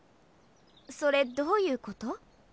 それどういうこと？